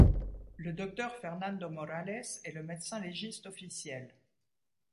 Le docteur Fernando Morales est le médecin légiste officiel.